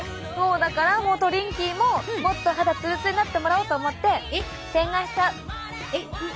だからトリンキーももっと肌ツルツルになってもらおうと思って洗顔しちゃう。